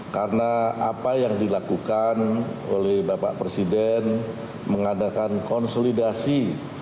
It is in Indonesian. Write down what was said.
karena apa yang dilakukan oleh bapak presiden mengadakan konsolidasi